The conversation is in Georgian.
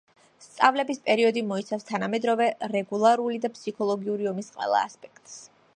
სწავლების პერიოდი მოიცავს თანამედროვე რეგულარული და ფსიქოლოგიური ომის ყველა ასპექტს.